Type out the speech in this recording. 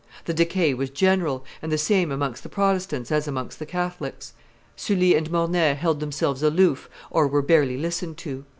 The decay was general, and the same amongst the Protestants as amongst the Catholics; Sully and Mornay held themselves aloof or were barely listened to.